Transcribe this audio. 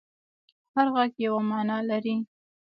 هر غږ یوه معنی لري.